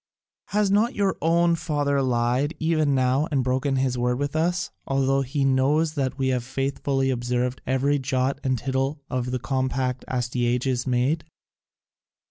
Has not your own father lied even now and broken his word with us, although he knew that we had faithfully observed every jot and tittle of the compact Astyages made?"